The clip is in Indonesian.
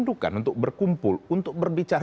adukan untuk berkumpul untuk berbicara